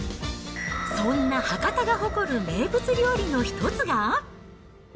そんな博多が誇る名物料理の一つが。